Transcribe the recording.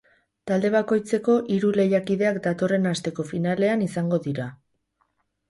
Talde bakoitzeko hiru lehiakideak datorren asteko finalean izango dira.